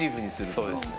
そうですね。